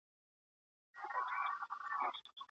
ماشومان په سړه هوا کي نه بهر کېږي.